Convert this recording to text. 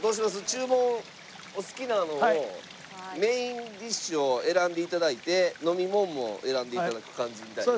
注文お好きなのをメインディッシュを選んでいただいて飲み物も選んでいただく感じみたいです。